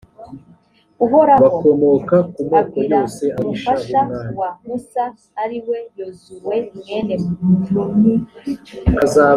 uhoraho abwira umufasha wa musa, ari we yozuwe mwene nuni.